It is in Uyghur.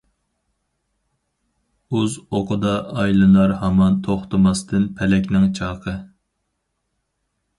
ئۇز ئوقىدا ئايلىنار ھامان توختىماستىن پەلەكنىڭ چاقى.